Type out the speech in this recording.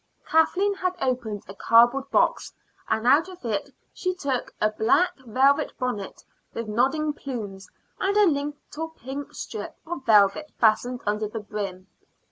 Kathleen had opened a cardboard box, and out of it she took a black velvet bonnet with nodding plumes and a little pink strip of velvet fastened under the brim.